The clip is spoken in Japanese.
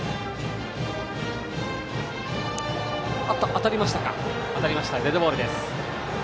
当たりました、デッドボールです。